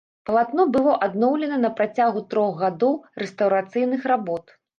Палатно было адноўлена на працягу трох гадоў рэстаўрацыйных работ.